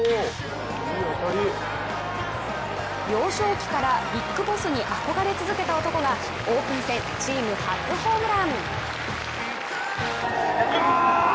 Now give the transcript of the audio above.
幼少期からビッグボスに憧れ続けた男がオープン戦チーム初ホームラン。